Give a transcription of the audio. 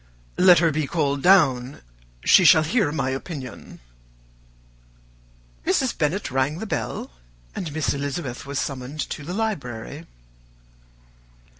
"Let her be called down. She shall hear my opinion." Mrs. Bennet rang the bell, and Miss Elizabeth was summoned to the library.